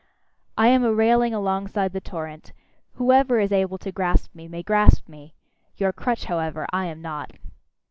I am a railing alongside the torrent; whoever is able to grasp me may grasp me! Your crutch, however, I am not.